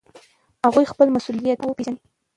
هغوی خپل مسؤلیتونه وپیژني.